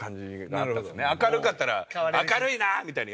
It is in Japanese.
明るかったら「明るいな！」みたいに言われるし。